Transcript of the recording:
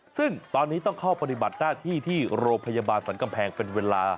ซึ่งตอนนี้ต้องเข้าปฏิบัติหน้าที่ที่โรงพยาบาลสรรกำแพงเป็นเวลา